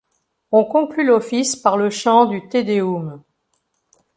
On conclut l'office par le chant du Te Deum.